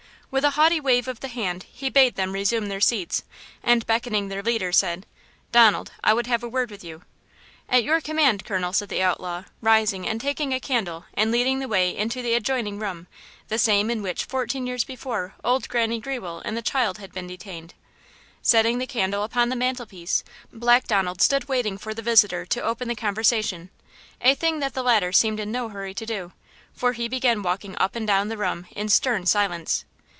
With a haughty wave of the hand, he bade them resume their seats, and beckoning their leader, said: "Donald, I would have a word with you!" "At your command, colonel!" said the outlaw, rising and taking a candle and leading the way into the adjoining room, the same in which fourteen years before old Granny Grewell and the child had been detained. Setting the candle upon the mantelpiece, Black Donald stood waiting for the visitor to open the conversation, a thing that the latter seemed in no hurry to do, for he began walking up and down the room in stern silence.